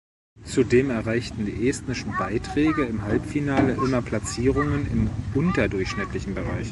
Zudem erreichten die estnischen Beiträge im Halbfinale immer Platzierungen im unterdurchschnittlichen Bereich.